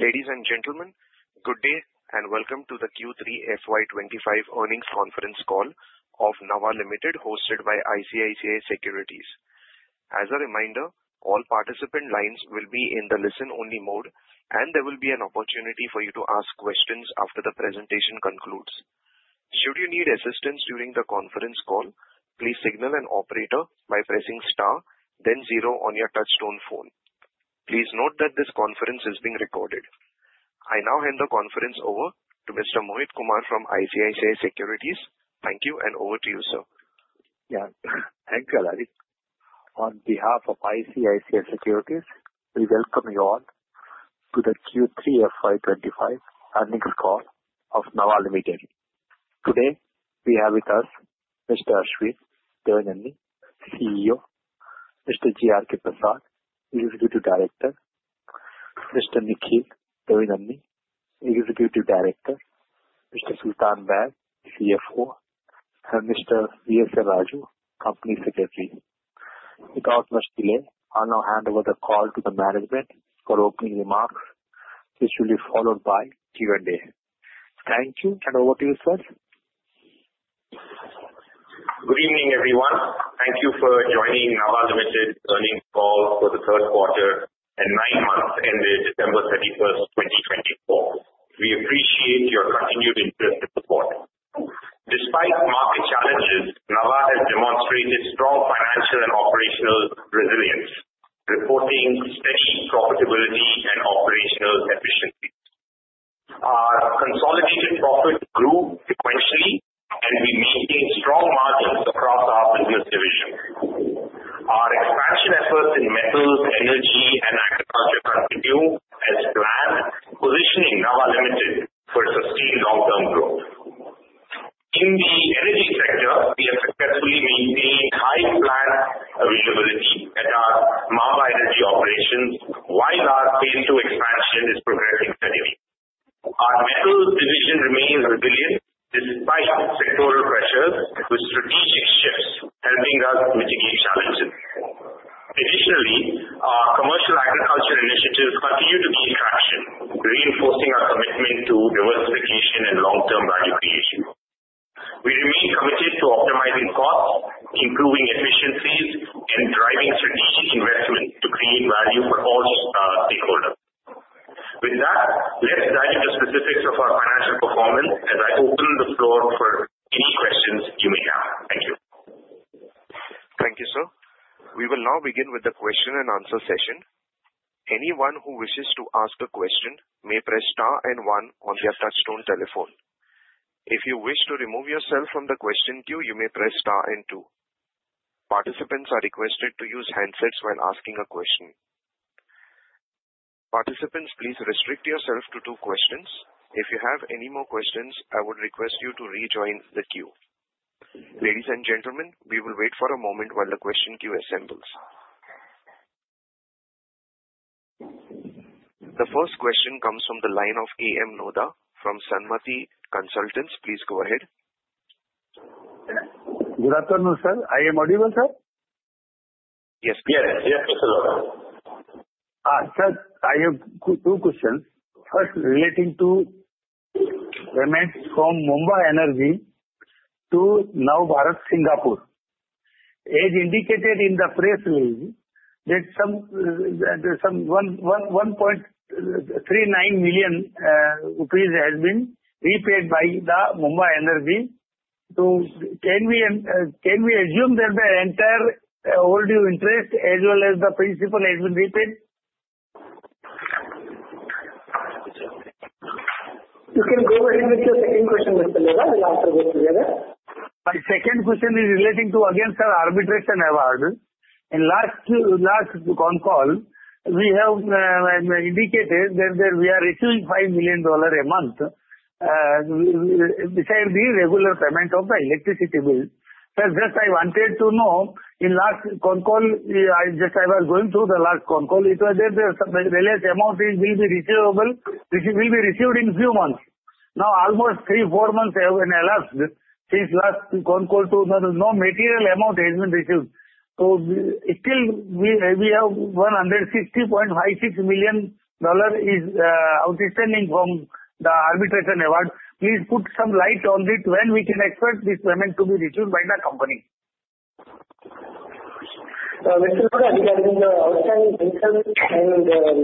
Ladies and gentlemen, good day and welcome to the Q3 FY25 earnings conference call of Nava Limited, hosted by ICICI Securities. As a reminder, all participant lines will be in the listen-only mode, and there will be an opportunity for you to ask questions after the presentation concludes. Should you need assistance during the conference call, please signal an operator by pressing star, then zero on your touch-tone phone. Please note that this conference is being recorded. I now hand the conference over to Mr. Mohit Kumar from ICICI Securities. Thank you, and over to you, sir. Yeah. Thank you, Larry. On behalf of ICICI Securities, we welcome you all to the Q3 FY25 earnings call of Nava Limited. Today, we have with us Mr. Ashwin Devineni, CEO, Mr. G. R. K. Prasad, Executive Director, Mr. Nikhil Devineni, Executive Director, Mr. Sultan A. Baig, CFO, and Mr. V. S. Raju, Company Secretary. Without much delay, I'll now hand over the call to the management for opening remarks, which will be followed by Q&A. Thank you, and over to you, sir. Good evening, everyone. Thank you for joining Nava Limited's earnings call for the third quarter and nine months ended December 31st, 2024. We appreciate your continued interest and support. Despite market challenges, Nava has demonstrated strong financial and operational resilience, reporting steady profitability and operational efficiency. Our consolidated profits grew sequentially, and we maintained strong margins across our business division. Our expansion efforts in metals, energy, and agriculture continue as planned, positioning Nava Limited for sustained long-term growth. In the energy sector, we have successfully maintained high plant availability at our Maamba Energy operations, while our phase two expansion is progressing steadily. Our metals division remains resilient despite sectoral pressures, with strategic shifts helping us mitigate challenges. Additionally, our commercial agriculture initiatives continue to gain traction, reinforcing our commitment to diversification and long-term value creation. We remain committed to optimizing costs, improving efficiencies, and driving strategic investments to create value for all stakeholders. With that, let's dive into specifics of our financial performance as I open the floor for any questions you may have. Thank you. Thank you, sir. We will now begin with the question-and-answer session. Anyone who wishes to ask a question may press star and one on their touch-tone telephone. If you wish to remove yourself from the question queue, you may press star and two. Participants are requested to use handsets while asking a question. Participants, please restrict yourself to two questions. If you have any more questions, I would request you to rejoin the queue. Ladies and gentlemen, we will wait for a moment while the question queue assembles. The first question comes from the line of A. M. Lodha from Sanmati Consultants. Please go ahead. Good afternoon, sir. Are you audible, sir? Yes, please. Yes. Yes, Mr. Lodha Sir, I have two questions. First, relating to payments from Maamba Energy to Nava Bharat, Singapore. As indicated in the press release, that some 1.39 million rupees has been repaid by Maamba Energy. So can we assume that the entire old due interest as well as the principal has been repaid? You can go ahead with your second question, Mr. Lodha. We'll answer both together. My second question is relating to, again, sir, arbitration award. In last phone call, we have indicated that we are receiving $5 million a month besides the regular payment of the electricity bill. Sir, just I wanted to know, in last phone call, just I was going through the last phone call, it was that the amount will be receivable, which will be received in a few months. Now, almost three, four months have elapsed since last phone call. No material amount has been received. So still, we have $160.56 million outstanding from the arbitration award. Please put some light on it when we can expect this payment to be received by the company. Mr. Lodha, regarding the outstanding interest and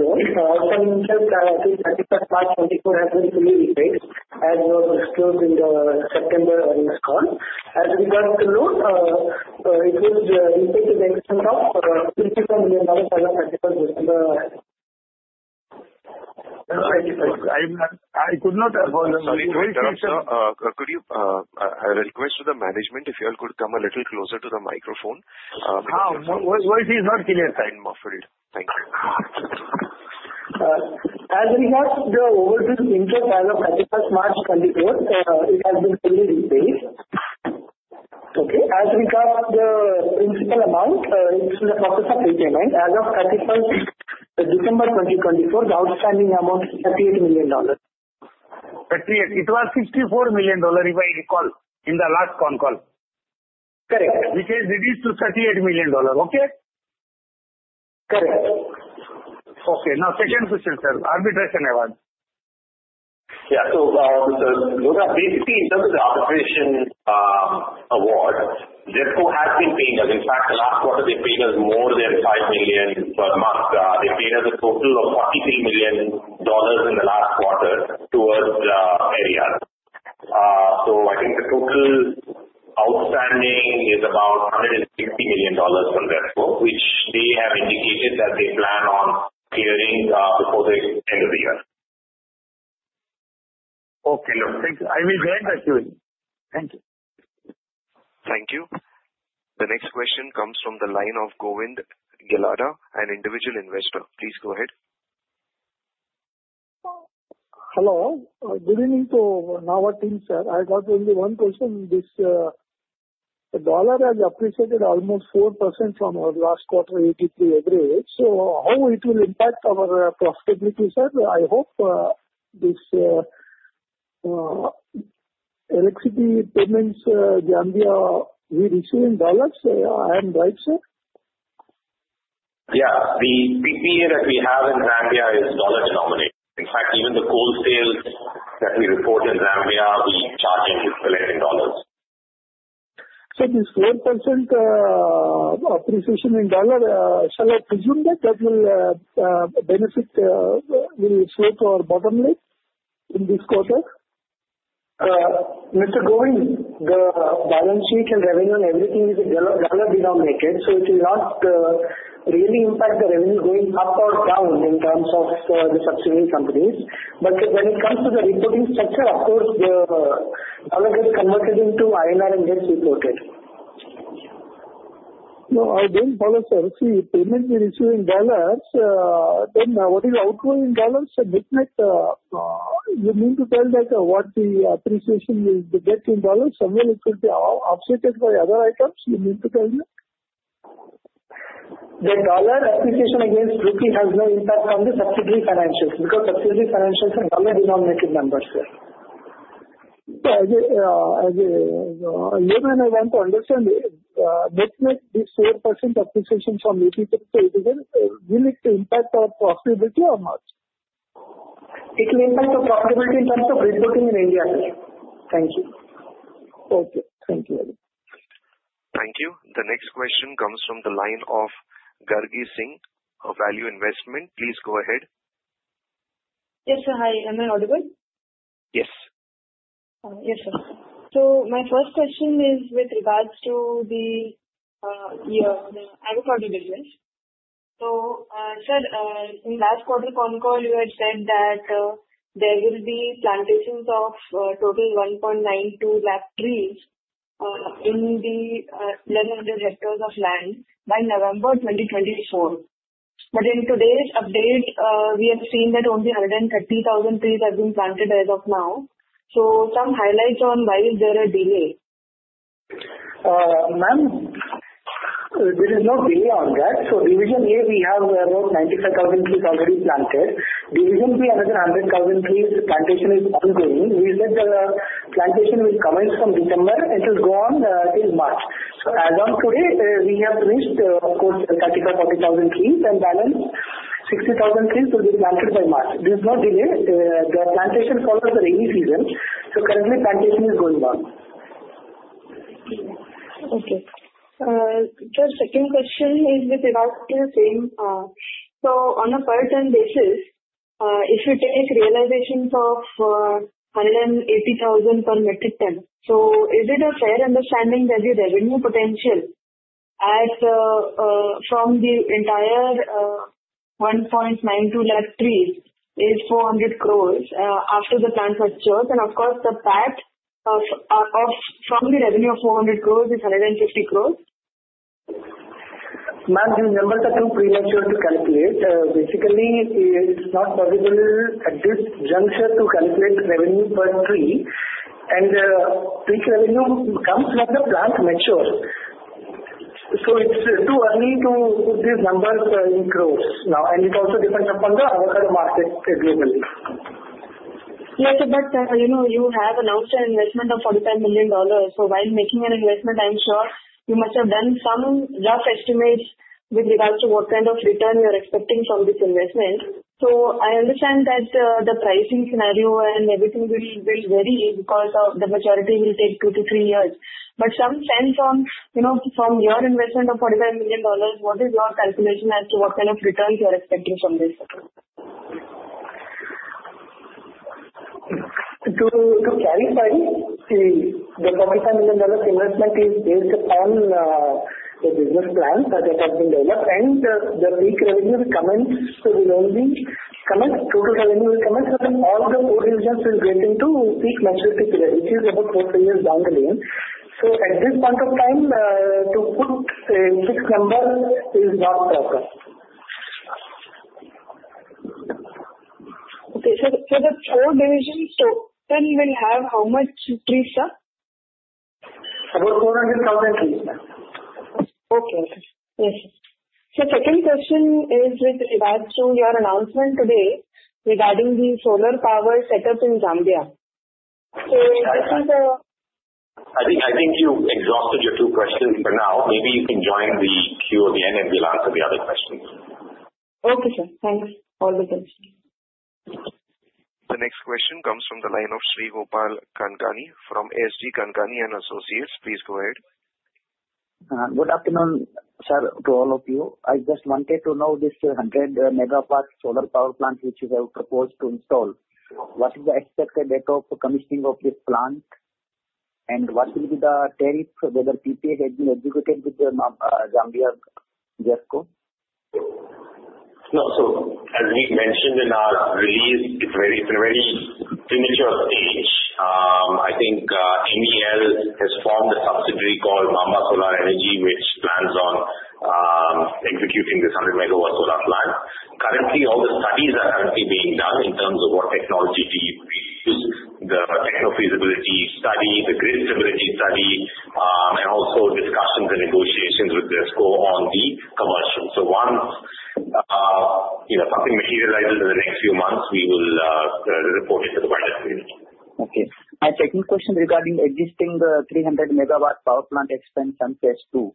loan, the outstanding interest, I think, 31st March 2024 has been fully repaid as was disclosed in the September earnings call. As regards to loan, it was repaid to the extent of $24 million on 31st December. I could not follow. Okay, sir, could you request the management, if you all could come a little closer to the microphone? Voice is not clear. Thank you. As regards the overdue interest as of 31st March 2024, it has been fully repaid. Okay. As regards the principal amount, it's in the process of repayment. As of 31st December 2024, the outstanding amount is $38 million. It was $64 million, if I recall, in the last phone call. Correct. Which has reduced to $38 million. Okay? Correct. Okay. Now, second question, sir. Arbitration available. Yeah. So, Mr. Lodha, basically, in terms of the arbitration award, ZESCO has been paying us. In fact, last quarter, they paid us more than $5 million per month. They paid us a total of $43 million in the last quarter towards the arrears. So I think the total outstanding is about $160 million from ZESCO, which they have indicated that they plan on clearing before the end of the year. Okay. Look, I will join the queue. Thank you. Thank you. The next question comes from the line of Govind Gelada, an individual investor. Please go ahead. Hello. Good evening to Nava team, sir. I got only one question. This dollar has appreciated almost 4% from our last quarter, 83 average. So how it will impact our profitability, sir? I hope this electricity payments we receive in dollars, I am right, sir? Yeah. The PPA that we have in Zambia is dollar-denominated. In fact, even the coal sales that we report in Zambia, we charge in dollars. So this 4% appreciation in the dollar, shall I presume that the benefit will flow to our bottom line in this quarter? Mr. Govind, the balance sheet and revenue and everything is dollar denominated, so it will not really impact the revenue going up or down in terms of the subsidiary companies. But when it comes to the reporting structure, of course, the dollar gets converted into INR and gets reported. No, I don't follow, sir. See, payments we receive in dollars, then what is outgoing in dollars? You mean to tell that what the appreciation will get in dollars? Somewhere it will be offset by other items? You mean to tell me? The dollar appreciation against the rupee has no impact on the subsidiary financials because subsidiary financials are dollar-denominated numbers, sir. As a woman, I want to understand, this 4% appreciation from rupee capital, will it impact our profitability or not? It will impact our profitability in terms of reporting in India, sir. Thank you. Okay. Thank you. Thank you. The next question comes from the line of Gargi Singh, Value Investment. Please go ahead. Yes, sir. Hi. Am I audible? Yes. Yes, sir. So my first question is with regards to the agriculture business. So sir, in last quarter phone call, you had said that there will be plantations of total 1.92 lakh trees in the 1,100 hectares of land by November 2024. But in today's update, we have seen that only 130,000 trees have been planted as of now. So some highlights on why there is a delay? Ma'am, there is no delay on that. So division A, we have about 95,000 trees already planted. Division B, another 100,000 trees, plantation is ongoing. We said the plantation will commence from December. It will go on till March. So as of today, we have reached, of course, 35,000-40,000 trees, and balance 60,000 trees will be planted by March. There is no delay. The plantation follows the rainy season. So currently, plantation is going on. Okay. Sir, second question is with regards to the same. So on a per ton basis, if you take realizations of 180,000 per metric ton, so is it a fair understanding that the revenue potential from the entire 1.92 lakh trees is 400 crores after the plant matures? And of course, the PAT from the revenue of 400 crores is 150 crores? Ma'am, you remember that you're premature to calculate. Basically, it's not possible at this juncture to calculate revenue per tree, and tree revenue comes when the plant matures, so it's too early to put these numbers in crores, and it also depends upon the avocado market globally. Yes, but you have announced an investment of $45 million. So while making an investment, I'm sure you must have done some rough estimates with regards to what kind of return you're expecting from this investment. So I understand that the pricing scenario and everything will vary because the maturity will take two to three years. But some sense from your investment of $45 million, what is your calculation as to what kind of returns you're expecting from this? To clarify, the $45 million investment is based upon the business plans that have been developed, and the peak revenue will commence sooner than the total revenue will commence, but all the four divisions will wait until peak maturity period, which is about four, three years down the line, so at this point of time, to put a fixed number is not proper. Okay. So the four divisions. So then we'll have how much trees, sir? About 400,000 trees, ma'am. Okay. Yes, sir. So second question is with regards to your announcement today regarding the solar power setup in Zambia. So this is. I think you exhausted your two questions for now. Maybe you can join the queue at the end and we'll answer the other questions. Okay, sir. Thanks. All the best. The next question comes from the line of Sri Gopal Kankani from S G Kankani & Associates. Please go ahead. Good afternoon, sir, to all of you. I just wanted to know this 100-megawatt solar power plant, which you have proposed to install. What is the expected date of commissioning of this plant? And what will be the tariff, whether PPA has been executed with Zambia ZESCO? As we mentioned in our release, it's in a very premature stage. I think Nava Limited has formed a subsidiary called Maamba Solar Energy Limited, which plans on executing this 100-megawatt solar plant. Currently, all the studies are being done in terms of what technology to use, the techno-feasibility study, the grid stability study, and also discussions and negotiations with ZESCO on the commercial. Once something materializes in the next few months, we will report it to the wider community. Okay. My second question regarding existing 300-megawatt power plant expansion phase two.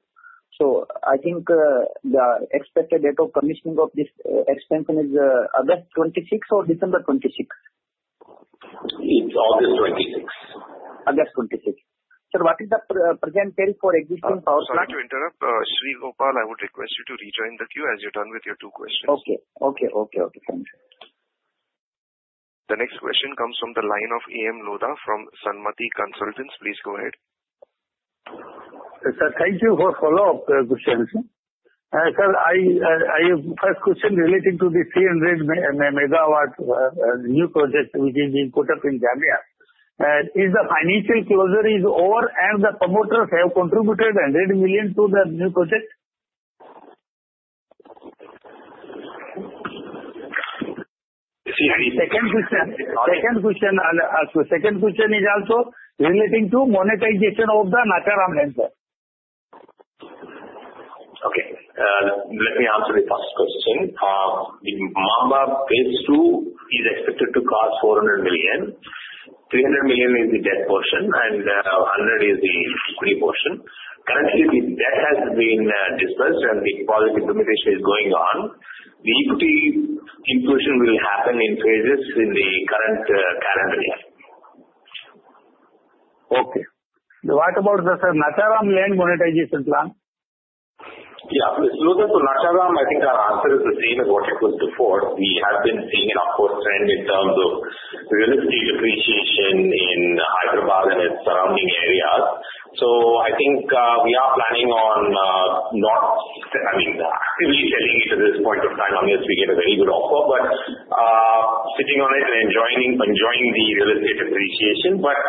So I think the expected date of commissioning of this expansion is August 26 or December 26? It's August 26. August 26. Sir, what is the present tariff for existing power plant? Sorry to interrupt. Sri Gopal, I would request you to rejoin the queue as you're done with your two questions. Okay. Thank you. The next question comes from the line of A. M. Lodha from Sanmati Consultants. Please go ahead. Sir, thank you for follow-up, Mr. Ash. Sir, my first question relating to the 300-megawatt new project which is being put up in Zambia. Is the financial closure over, and the promoters have contributed $100 million to the new project? Second question. Second question is also relating to monetization of the Nacharam land. Okay. Let me answer the first question. Maamba phase two is expected to cost $400 million. $300 million is the debt portion, and $100 million is the equity portion. Currently, the debt has been disbursed, and the EPC implementation is going on. The equity infusion will happen in phases in the current calendar year. Okay. What about the Nacharam land monetization plan? Yeah. With regards to Nacharam, I think our answer is the same as what it was before. We have been seeing an upward trend in terms of real estate appreciation in Hyderabad and its surrounding areas. So I think we are planning on not, I mean, actively selling it at this point of time unless we get a very good offer, but sitting on it and enjoying the real estate appreciation. But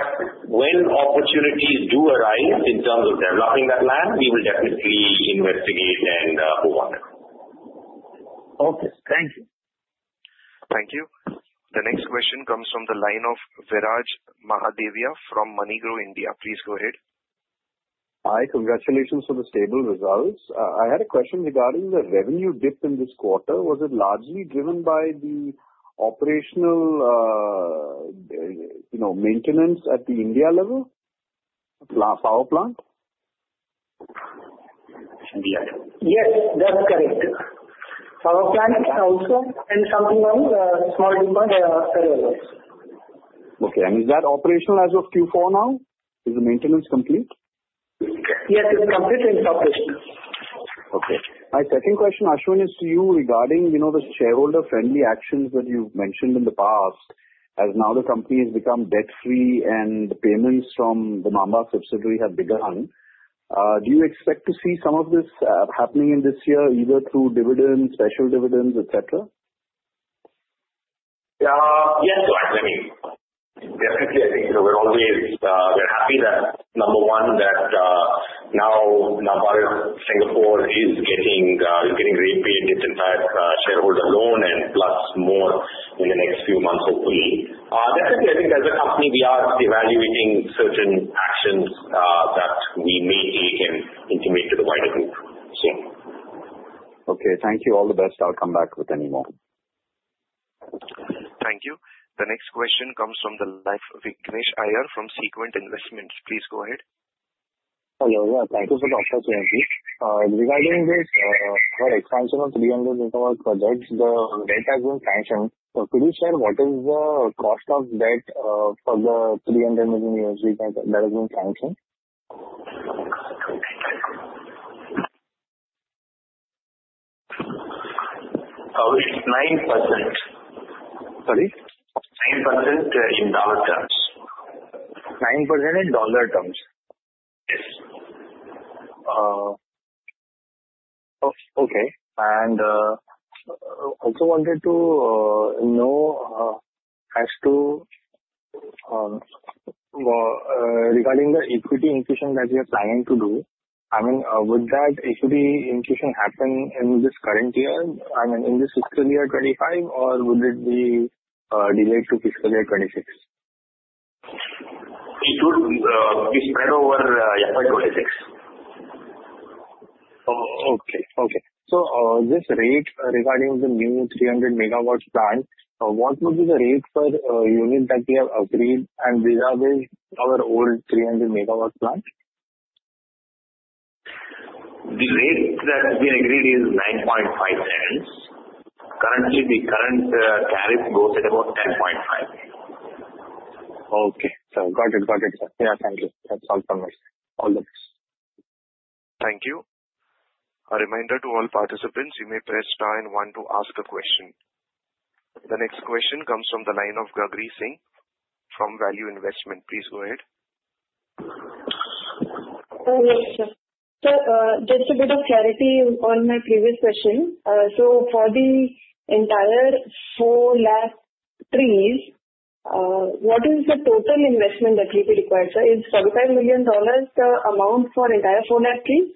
when opportunities do arise in terms of developing that land, we will definitely investigate and move on. Okay. Thank you. Thank you. The next question comes from the line of Viraj Mahadevia from MoneyGrow India. Please go ahead. Hi. Congratulations for the stable results. I had a question regarding the revenue dip in this quarter. Was it largely driven by the operational maintenance at the India level power plant? Yes, that's correct. Power plant also and something else. Small impact as well. Okay. And is that operational as of Q4 now? Is the maintenance complete? Yes, it's complete and operational. Okay. My second question, Ashwin, is to you regarding the shareholder-friendly actions that you've mentioned in the past, as now the company has become debt-free and the payments from the Maamba subsidiary have begun. Do you expect to see some of this happening in this year, either through dividends, special dividends, etc.? Yes, sir. I mean, definitely, I think we're always happy that, number one, that now Singapore is getting repaid its entire shareholder loan and plus more in the next few months, hopefully. Definitely, I think as a company, we are evaluating certain actions that we may take and intimate to the wider group soon. Okay. Thank you. All the best. I'll come back with any more. Thank you. The next question comes from the line of Vignesh Iyer from Sequent Investments. Please go ahead. Hello. Thank you for the opportunity. Regarding this expansion of 300-megawatt project, the debt has been sanctioned. So could you share what is the cost of debt for the $300 million that has been sanctioned? It's 9%. Sorry? 9% in dollar terms. 9% in dollar terms? Yes. Okay. And also wanted to know as to regarding the equity inclusion that you're planning to do. I mean, would that equity inclusion happen in this current year, I mean, in this fiscal year 2025, or would it be delayed to fiscal year 2026? It would be spread over FY 26. So this rate regarding the new 300-megawatt plant, what would be the rate per unit that we have agreed, and will that be our old 300-megawatt plant? The rate that we agreed is $0.095. Currently, the current tariff goes at about $0.105. Okay. Got it. Got it. Yeah. Thank you. That's all from me. All the best. Thank you. A reminder to all participants, you may press star one to ask a question. The next question comes from the line of Gargi Singh from Value Investment. Please go ahead. Yes, sir. Just a bit of clarity on my previous question. So for the entire four lakh trees, what is the total investment that will be required, sir? Is $45 million the amount for entire four lakh trees?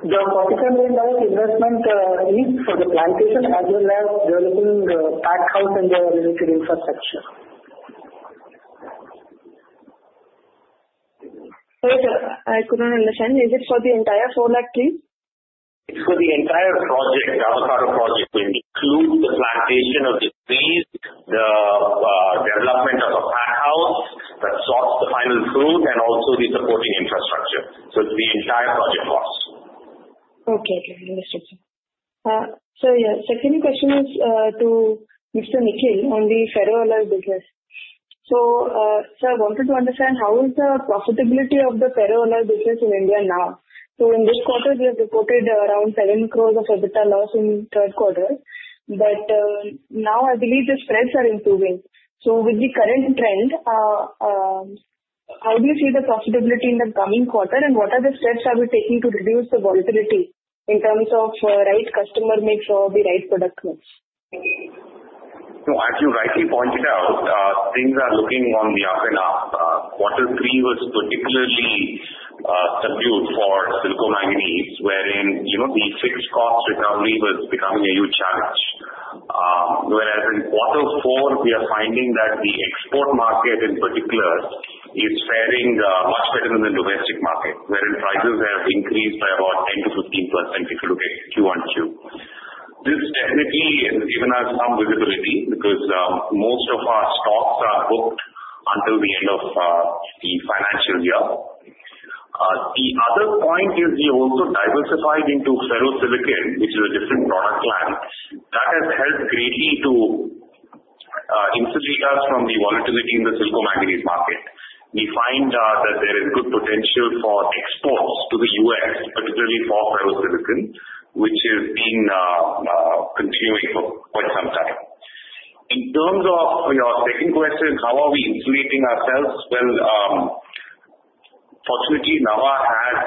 The $45 million investment is for the plantation as well as developing the pack house and the related infrastructure. Sorry, sir. I couldn't understand. Is it for the entire four lakh trees? It's for the entire project, the Avocado project, which includes the plantation of the trees, the development of a pack house, the sorting and packing of fruit, and also the supporting infrastructure. So it's the entire project cost. Okay. Understood, sir. Your second question is to Mr. Nikhil on the ferroalloys business. Sir, I wanted to understand how is the profitability of the ferroalloys business in India now. In this quarter, we have reported around seven crores of EBITDA loss in third quarter. But now, I believe the spreads are improving. With the current trend, how do you see the profitability in the coming quarter, and what are the steps that we are taking to reduce the volatility in terms of right customer mix or the right product mix? No, as you rightly pointed out, things are looking on the up and up. Quarter three was particularly subdued for silicon manganese, wherein the fixed cost recovery was becoming a huge challenge. Whereas in quarter four, we are finding that the export market in particular is faring much better than the domestic market, wherein prices have increased by about 10%-15% if you look at QoQ. This definitely has given us some visibility because most of our stocks are booked until the end of the financial year. The other point is we also diversified into ferro-silicon, which is a different product line. That has helped greatly to insulate us from the volatility in the silicon manganese market. We find that there is good potential for exports to the U.S., particularly for ferro-silicon, which is being continuing for quite some time. In terms of your second question, how are we insulating ourselves? Well, fortunately, Nava has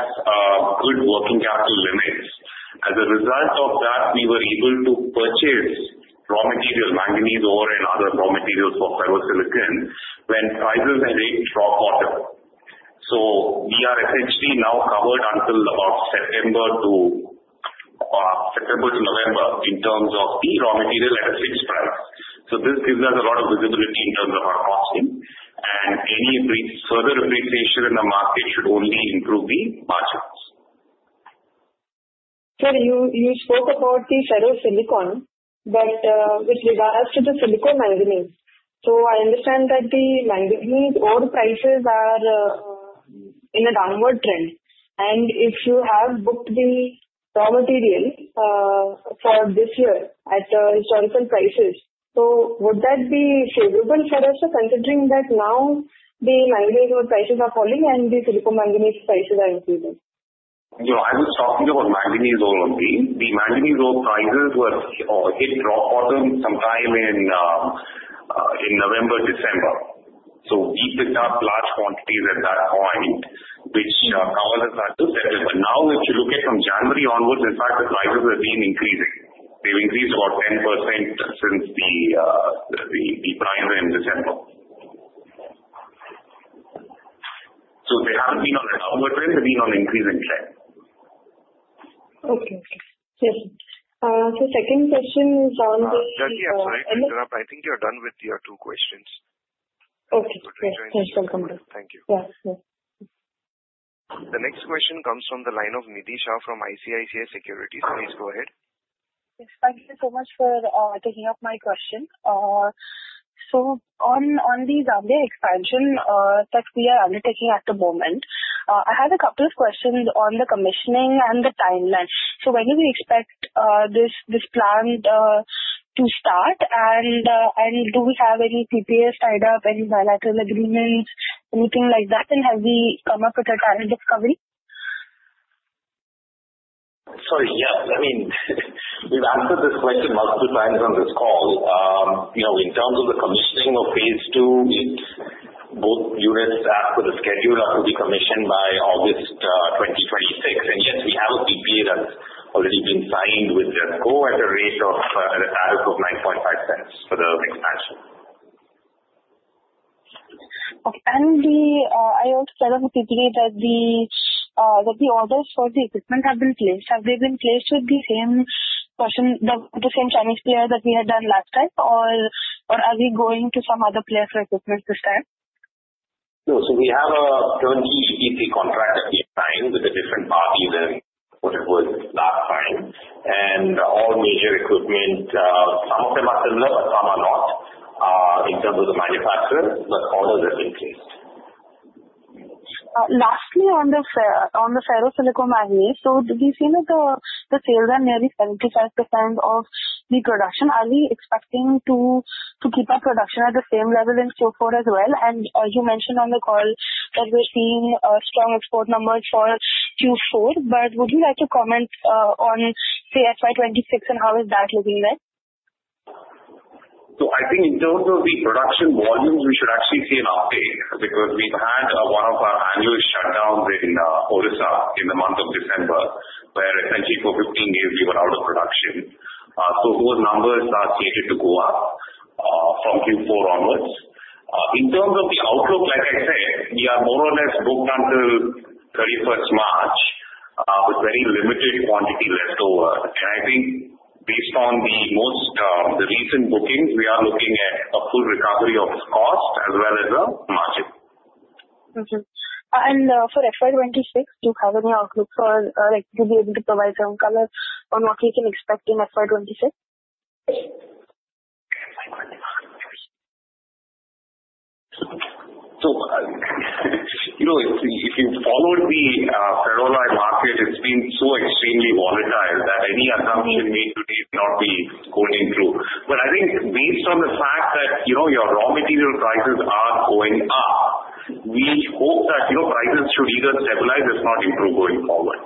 good working capital limits. As a result of that, we were able to purchase raw materials, manganese ore and other raw materials for ferro-silicon, when prices had hit rock bottom. So we are essentially now covered until about September to November in terms of the raw material at a fixed price. So this gives us a lot of visibility in terms of our costing, and any further appreciation in the market should only improve the margins. Sir, you spoke about the ferro-silicon, but with regards to the silicon manganese, so I understand that the manganese ore prices are in a downward trend. And if you have booked the raw material for this year at historical prices, so would that be favorable for us, considering that now the manganese ore prices are falling and the silicon manganese prices are increasing? I was talking about manganese ore only. The manganese ore prices hit a low in the quarter sometime in November, December. So we picked up large quantities at that point, which covers us until February. But now, if you look at from January onwards, in fact, the prices have been increasing. They've increased about 10% since the price in December. So they haven't been on a downward trend. They've been on an increasing trend. Okay. So second question is on the. Just yet, sorry. I think you're done with your two questions. Okay. Thanks, Gopal. Thank you. Yeah. The next question comes from the line of Nidhi Shah from ICICI Securities. Please go ahead. Thank you so much for taking up my question. So on the Zambia expansion that we are undertaking at the moment, I have a couple of questions on the commissioning and the timeline. So when do we expect this plant to start, and do we have any PPAs tied up, any bilateral agreements, anything like that, and have we come up with a tariff discovery? Sorry. Yeah. I mean, we've answered this question multiple times on this call. In terms of the commissioning of phase two, both units asked for the schedule to be commissioned by August 2026. And yes, we have a PPA that's already been signed with ZESCO at a rate of a tariff of $0.095 for the expansion. Okay. And I also heard of a PPA, that the orders for the equipment have been placed. Have they been placed with the same Chinese player that we had done last time, or are we going to some other player for equipment this time? No. So we have a 300 MW EPC contract that we have signed with the different parties than what it was last time. And all major equipment, some of them are similar, but some are not in terms of the manufacturer, but orders have been placed. Lastly, on the ferro-silicon manganese, so we've seen that the sales are nearly 75% of the production. Are we expecting to keep our production at the same level in Q4 as well? And as you mentioned on the call that we're seeing strong export numbers for Q4, but would you like to comment on, say, FY 26, and how is that looking there? I think in terms of the production volumes, we should actually see an update because we've had one of our annual shutdowns in Odisha in the month of December, where essentially for 15 days, we were out of production. Those numbers are slated to go up from Q4 onwards. In terms of the outlook, like I said, we are more or less booked until 31st March with very limited quantity left over. I think based on the most recent bookings, we are looking at a full recovery of cost as well as a margin. Okay. And for FY 26, do you have any outlook for like, would you be able to provide some colors on what we can expect in FY 26? So if you followed the ferro alloy market, it's been so extremely volatile that any assumption made today may not be holding true. But I think based on the fact that your raw material prices are going up, we hope that prices should either stabilize or not improve going forward.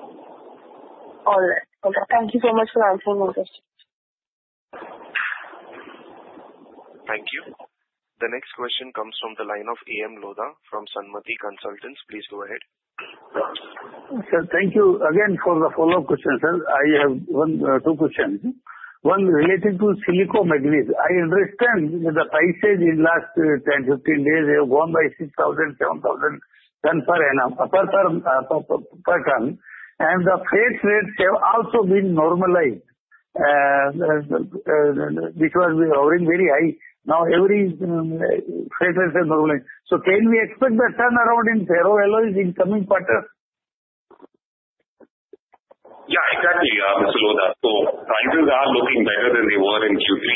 All right. Okay. Thank you so much for answering my question. Thank you. The next question comes from the line of A. M. Lodha from Sanmati Consultants. Please go ahead. Sir, thank you again for the follow-up questions. I have two questions. One related to silicon manganese. I understand that the prices in the last 10, 15 days have gone by 6,000, 7,000 tons per ton, and the freight rates have also been normalized because we were hovering very high. Now, every freight rate has normalized. So can we expect that turnaround in ferro alloys in coming quarters? Yeah, exactly, Mr. Lodha. Prices are looking better than they were in Q3.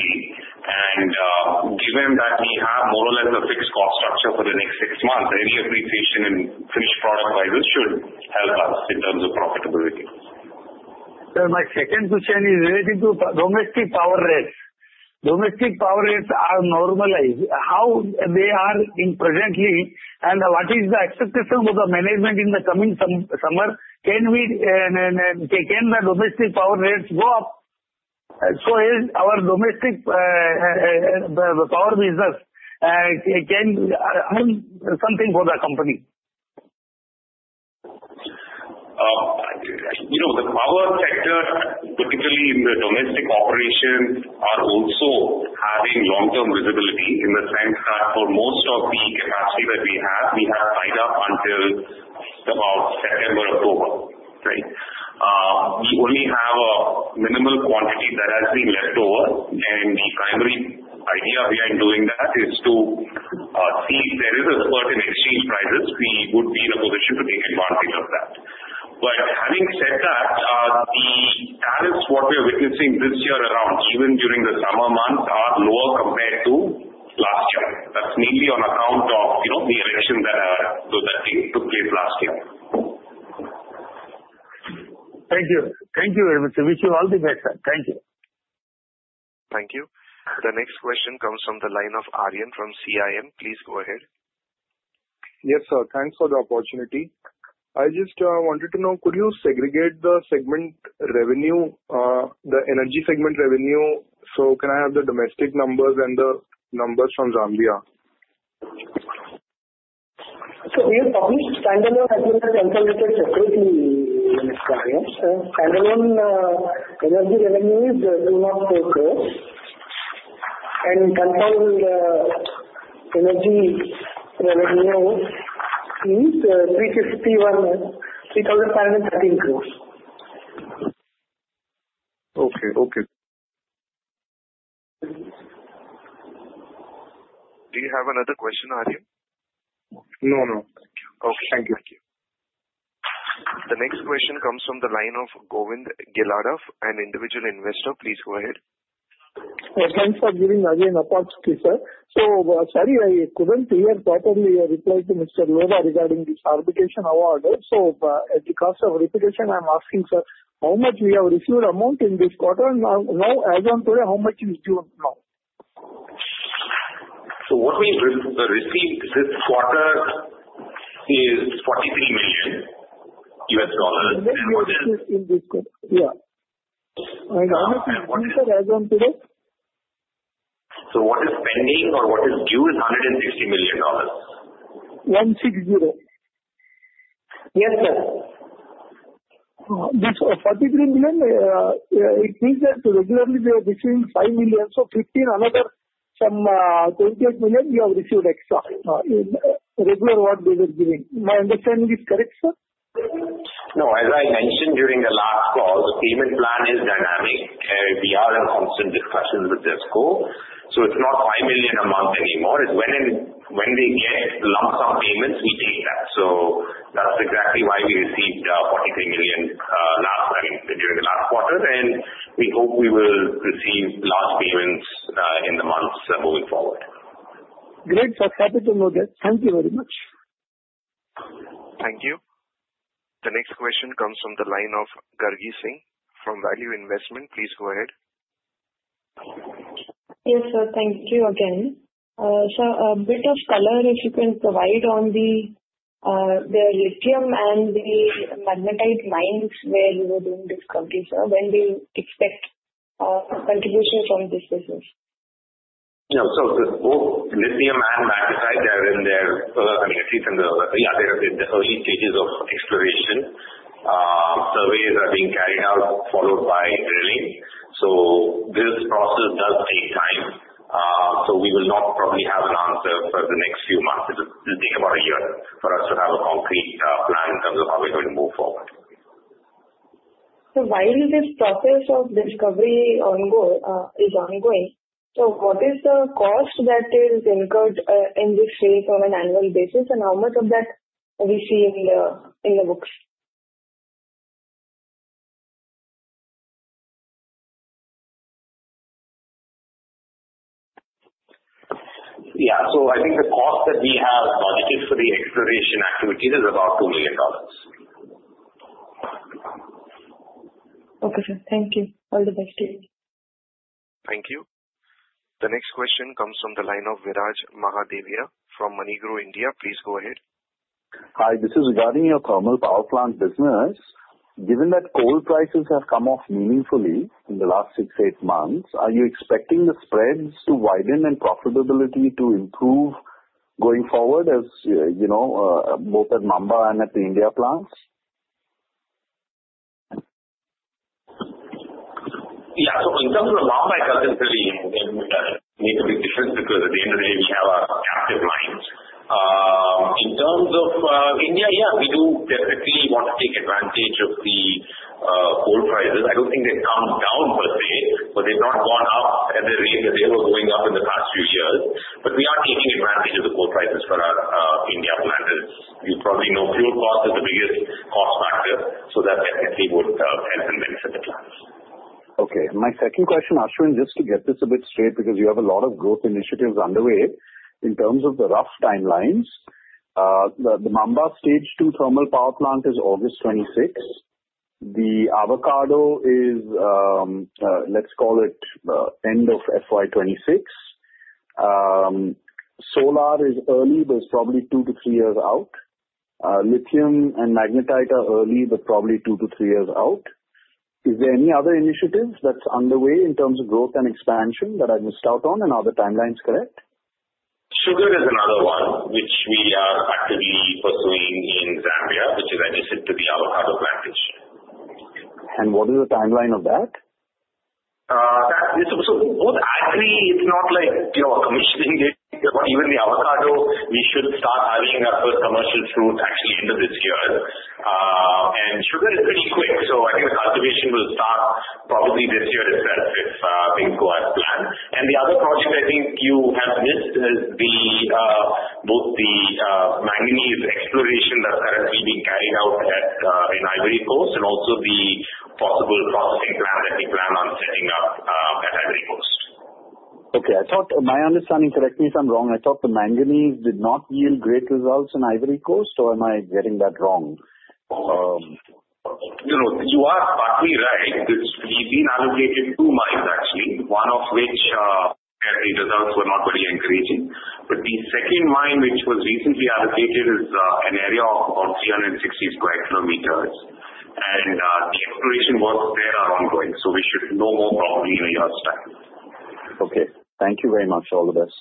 Given that we have more or less a fixed cost structure for the next six months, any appreciation in finished product prices should help us in terms of profitability. Sir, my second question is related to domestic power rates. Domestic power rates are normalized. How they are presently, and what is the expectation for the management in the coming summer? Can the domestic power rates go up? So our domestic power business can earn something for the company? The power sector, particularly in the domestic operations, are also having long-term visibility in the sense that for most of the capacity that we have, we have tied up until about September, October, right? We only have a minimal quantity that has been left over, and the primary idea behind doing that is to see if there is a spurt in exchange prices. We would be in a position to take advantage of that. But having said that, the tariffs what we are witnessing this year around, even during the summer months, are lower compared to last year. That's mainly on account of the election that took place last year. Thank you. Thank you. Wish you all the best. Thank you. Thank you. The next question comes from the line of Arian from CIM. Please go ahead. Yes, sir. Thanks for the opportunity. I just wanted to know, could you segregate the segment revenue, the energy segment revenue? So can I have the domestic numbers and the numbers from Zambia? So we have published standalone and consolidated separately, Mr. Arian. Standalone energy revenues do not go close. And consolidated energy revenue is INR 3,513 crores. Okay. Okay. Do you have another question, Arian? No, no. Okay. Thank you. The next question comes from the line of Govind Gelada, an individual investor. Please go ahead. Thanks for giving again a thought, sir. So sorry, I couldn't hear properly your reply to Mr. Lodha regarding this arbitration award. So at the cost of verification, I'm asking, sir, how much we have received amount in this quarter? Now, as of today, how much is due now? What we received this quarter is $43 million. And what is in this quarter? Yeah. And how much is there, sir, as of today? What is pending or what is due is $160 million. 160? Yes, sir. This 43 million, it means that regularly we are receiving 5 million. So 15, another 28 million we have received extra in regular award they were giving. My understanding is correct, sir? No, as I mentioned during the last call, the payment plan is dynamic. We are in constant discussions with ZESCO. So it's not $5 million a month anymore. When they get lump sum payments, we take that. So that's exactly why we received $43 million during the last quarter, and we hope we will receive large payments in the months moving forward. Great. Happy to know that. Thank you very much. Thank you. The next question comes from the line of Gargi Singh from Value Investment. Please go ahead. Yes, sir. Thank you again. Sir, a bit of color if you can provide on the lithium and the magnetite mines where you were doing discovery, sir, when do you expect contribution from this business? Yeah. So both lithium and magnetite, they're in their, I mean, at least in the early stages of exploration. Surveys are being carried out, followed by drilling. So this process does take time. So we will not probably have an answer for the next few months. It will take about a year for us to have a concrete plan in terms of how we're going to move forward. So while this process of discovery is ongoing, so what is the cost that is incurred in this phase on an annual basis, and how much of that are we seeing in the books? Yeah, so I think the cost that we have budgeted for the exploration activities is about $2 million. Okay. Thank you. All the best to you. Thank you. The next question comes from the line of Viraj Mahadevia from MoneyGrow India. Please go ahead. Hi. This is regarding your thermal power plant business. Given that coal prices have come off meaningfully in the last six, eight months, are you expecting the spreads to widen in profitability to improve going forward, both at Maamba and at the India plants? Yeah. So in terms of the Maamba, it doesn't really make a big difference because at the end of the day, we have active mines. In terms of India, yeah, we do definitely want to take advantage of the coal prices. I don't think they've come down per se, but they've not gone up at the rate that they were going up in the past few years. But we are taking advantage of the coal prices for our India plants. You probably know fuel cost is the biggest cost factor, so that definitely would help and benefit the plants. Okay. My second question, Ashwin, just to get this a bit straight because you have a lot of growth initiatives underway. In terms of the rough timelines, the Maamba stage two thermal power plant is August 26. The Avocado is, let's call it, end of FY 26. Solar is early, but it's probably two to three years out. Lithium and magnetite are early, but probably two to three years out. Is there any other initiative that's underway in terms of growth and expansion that I missed out on, and are the timelines correct? Sugar is another one which we are actively pursuing in Zambia, which is adjacent to the Avocado plantation. What is the timeline of that? So both agri, it's not like commissioning date, but even the avocado, we should start having our first commercial fruit actually end of this year. And sugar is pretty quick. So I think the cultivation will start probably this year itself if things go as planned. And the other project I think you have missed is both the manganese exploration that's currently being carried out in Ivory Coast and also the possible processing plant that we plan on setting up at Ivory Coast. Okay. My understanding, correct me if I'm wrong, I thought the manganese did not yield great results in Ivory Coast, or am I getting that wrong? You are partly right. We've been allocated two mines, actually, one of which the results were not very encouraging. But the second mine, which was recently allocated, is an area of about 360 sq km, and the exploration works there are ongoing. So we should know more probably in a year's time. Okay. Thank you very much, all the best.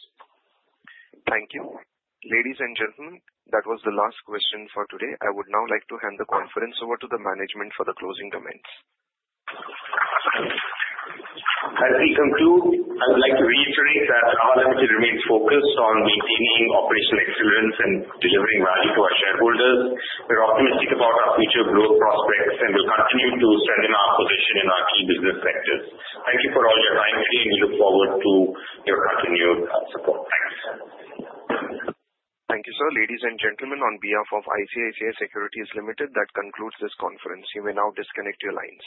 Thank you. Ladies and gentlemen, that was the last question for today. I would now like to hand the conference over to the management for the closing comments. As we conclude, I would like to reiterate that Nava Limited remains focused on maintaining operational excellence and delivering value to our shareholders. We're optimistic about our future growth prospects and will continue to strengthen our position in our key business sectors. Thank you for all your time today, and we look forward to your continued support. Thanks. Thank you, sir. Ladies and gentlemen, on behalf of ICICI Securities Limited, that concludes this conference. You may now disconnect your lines.